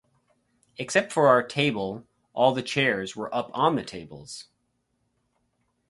Except for our table all the chairs were up on the tables.